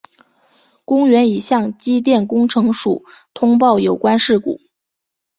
公园已向机电工程署通报有关事故。